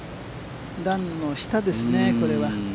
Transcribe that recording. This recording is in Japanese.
段の下ですね、これは。